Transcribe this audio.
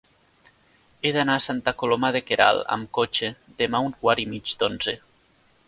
He d'anar a Santa Coloma de Queralt amb cotxe demà a un quart i mig d'onze.